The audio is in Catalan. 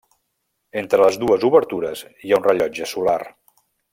Entre les dues obertures, hi ha un rellotge solar.